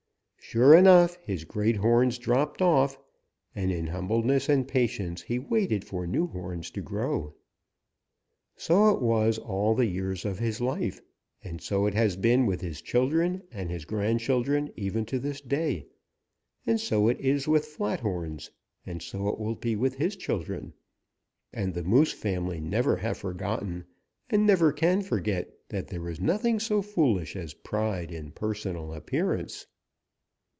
Sure enough, his great horns dropped off, and in humbleness and patience he waited for new horns to grow. So it was all the years of his life, and so it has been with his children and his grandchildren even to this day, and so it is with Flathorns, and so it will be with his children. And the Moose family never have forgotten and never can forget that there is nothing so foolish as pride in personal appearance."